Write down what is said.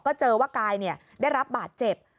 ก็เจอว่ากายได้รับบาดเจ็บ